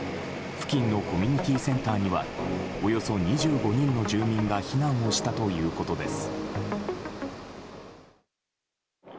付近のコミュニティーセンターにはおよそ２５人の住民が避難をしたということです。